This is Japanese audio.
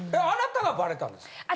あなたがバレたんですか？